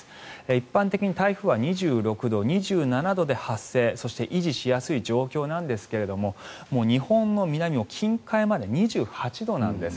一般的に台風は２６度、２７度で発生そして維持しやすい状況なんですが日本の南近海まで２８度なんです。